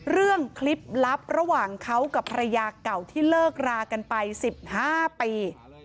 เรื่องคลิปลับระหว่างเขากับภรรยาเก่าที่เลิกรากันไป๑๕ปี